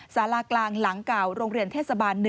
สารากลางหลังเก่าโรงเรียนเทศบาล๑